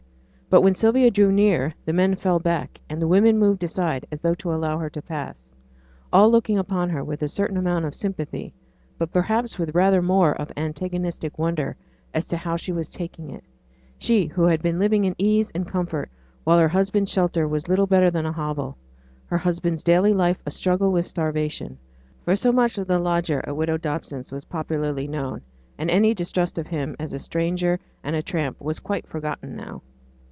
But when Sylvia drew near the men fell back; and the women moved aside as though to allow her to pass, all looking upon her with a certain amount of sympathy, but perhaps with rather more of antagonistic wonder as to how she was taking it she who had been living in ease and comfort while her husband's shelter was little better than a hovel, her husband's daily life a struggle with starvation; for so much of the lodger at widow Dobson's was popularly known; and any distrust of him as a stranger and a tramp was quite forgotten now.